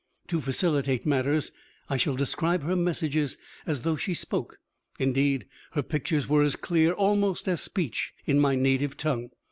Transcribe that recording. To facilitate matters, I shall describe her messages as though she spoke; indeed, her pictures were as clear, almost, as speech in my native tongue.